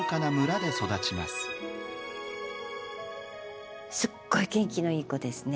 すっごい元気のいい子ですね。